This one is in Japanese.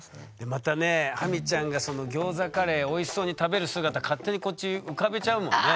またねハミちゃんがそのギョーザカレーおいしそうに食べる姿勝手にこっち浮かべちゃうもんね。